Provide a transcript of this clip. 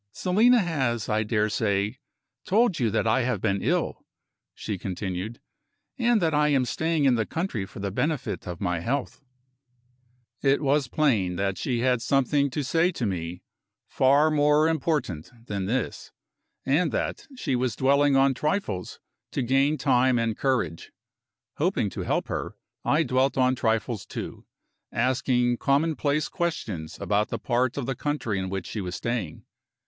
"Selina has, I daresay, told you that I have been ill," she continued, "and that I am staying in the country for the benefit of my health." It was plain that she had something to say to me, far more important than this, and that she was dwelling on trifles to gain time and courage. Hoping to help her, I dwelt on trifles, too; asking commonplace questions about the part of the country in which she was staying.